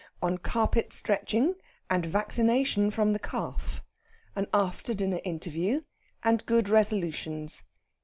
ON CARPET STRETCHING, AND VACCINATION FROM THE CALF. AN AFTER DINNER INTERVIEW, AND GOOD RESOLUTIONS.